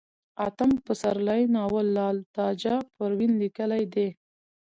اتم پسرلی ناول لال تاجه پروين ليکلئ دی